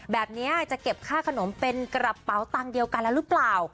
แบบนี้จะเก็บค่าขนมเป็นกระเป๋าตังค์เดียวกันแล้วหรือเปล่า